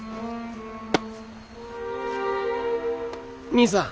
兄さん。